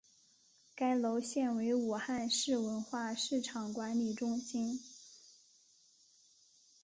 该楼现为武汉市文化市场管理中心。